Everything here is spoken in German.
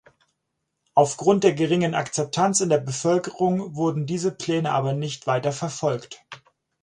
Aufgrund der geringen Akzeptanz in der Bevölkerung wurden diese Pläne aber nicht weiter verfolgt.